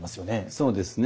そうですね。